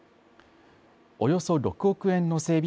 およそ６億円の整備